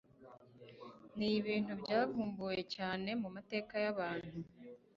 Nibintu byavumbuwe cyane mumateka yabantu